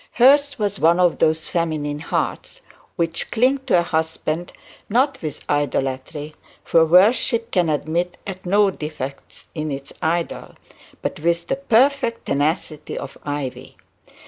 Hers was one of those feminine hearts which cling to a husband, not with idolatry, for worship can admit of no defect in its idol, but with the perfect tenacity of ivy.